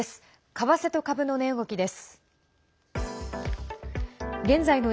為替と株の値動きです。